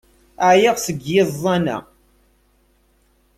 Ɛyiɣ seg yiẓẓan-a!